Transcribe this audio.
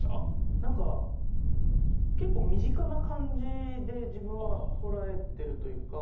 何か結構身近な感じで自分は捉えてるというか。